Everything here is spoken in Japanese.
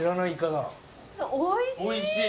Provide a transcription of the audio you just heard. おいしい！